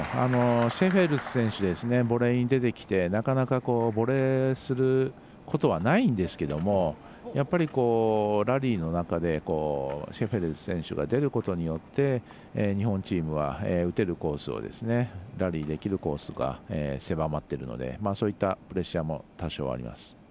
シェフェルス選手ボレーに出てきてなかなかボレーすることはないんですけれどもやっぱり、ラリーの中でシェフェルス選手が出ることによって日本チームは打てるコースをラリーできるコースが狭まっているのでそういったプレッシャーも多少あります。